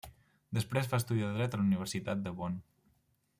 Després va estudiar dret a la Universitat de Bonn.